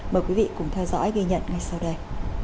mời quý vị cùng theo dõi ghi nhận ngay sau đây